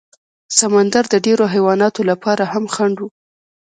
سمندر د ډېرو حیواناتو لپاره هم خنډ و.